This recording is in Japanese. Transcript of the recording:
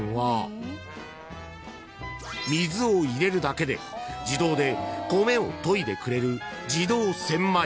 ［水を入れるだけで自動で米をといでくれる］